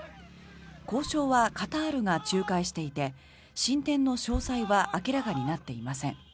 交渉はカタールが仲介していて進展の詳細は明らかになっていません。